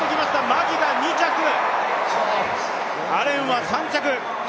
マギが２着、アレンは３着。